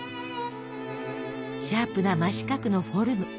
シャープな真四角のフォルム。